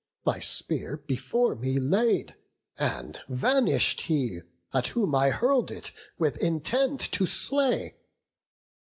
My spear before me laid, and vanish'd he At whom I hurl'd it with intent to slay!